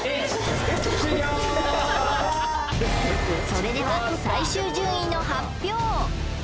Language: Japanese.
それでは最終順位の発表